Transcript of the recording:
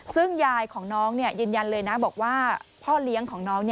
ซึ่งยายของน้องยืนยันเลยนะบอกว่าพ่อเลี้ยงของน้อง